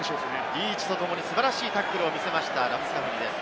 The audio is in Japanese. リーチとともに素晴らしいタックルを見せました、ラブスカフニです。